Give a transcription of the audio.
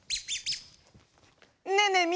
ねえねえ